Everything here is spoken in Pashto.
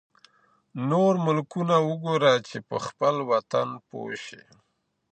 نور ملکونه وګوره چي په خپل وطن پوه شې.